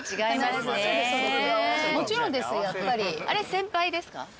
先輩ですか？